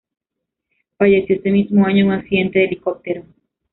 Falleció ese mismo año en un accidente de helicóptero.